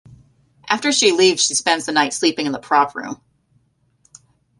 After she leaves he spends the night sleeping in the prop room.